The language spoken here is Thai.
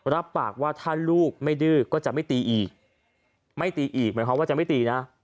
รับปากว่าถ้าลูกไม่ดื้อก็จะไม่ตีอีกไม่ตีอีกหมายความว่าจะไม่ตีนะ